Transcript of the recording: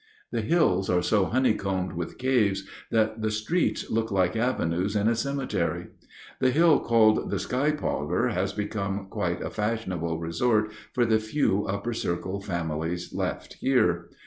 The hills are so honeycombed with caves that the streets look like avenues in a cemetery. The hill called the Sky parlor has become quite a fashionable resort for the few upper circle families left here.